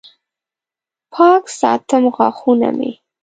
پاک ساتم غاښونه مې